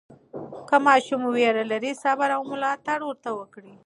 که ماشوم ویره لري، صبر او ملاتړ ورته وکړئ.